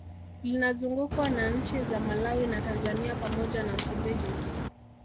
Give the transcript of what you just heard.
Linazungukwa na nchi za Malawi na Tanzania pamoja na Msumbiji